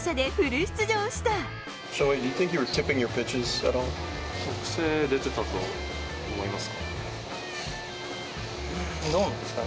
癖出てたと思いますか？